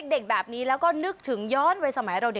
เด็กแบบนี้แล้วก็นึกถึงย้อนวัยสมัยเราเด็ก